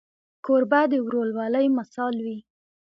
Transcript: کوربه د ورورولۍ مثال وي.